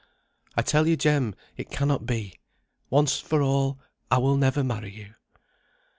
"I tell you, Jem, it cannot be. Once for all, I will never marry you."